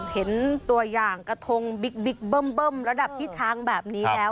เห็นตัวอย่างกระทงบิ๊กเบิ้มระดับพี่ช้างแบบนี้แล้ว